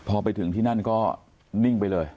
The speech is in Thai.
พอไปถึงที่นั่นก็นิ่งไปเลย